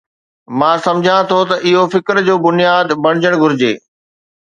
مان سمجهان ٿو ته اهو فڪر جو بنياد بڻجڻ گهرجي.